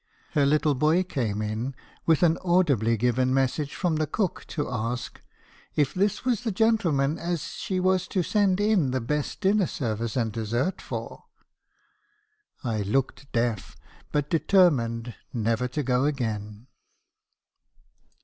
Her little boy came in, with an audibly given message from the cook , to ask — "'If this was the gentleman as she was to send in the best dinner service and dessert for?' "I looked deaf, but determined never to go again.